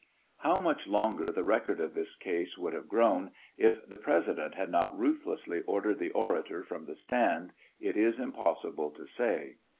How much longer the record of this case would have grown, if the President had not ruthlessly ordered the orator from the stand, it is impossible to say.